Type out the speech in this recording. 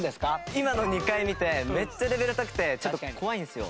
今の２回見てめっちゃレベル高くてちょっと怖いんですよ。